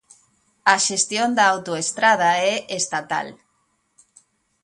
A xestión da autoestrada é estatal.